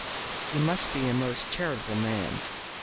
"He must be a most charitable man."